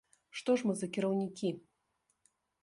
Што ж мы за кіраўнікі?